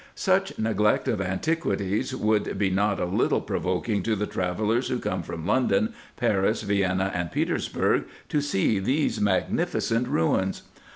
Such neglect of antiquities would be not a little pro voking to the travellers who come from London, Paris, Vienna, and Petersburgh, to see these magnificent ruins.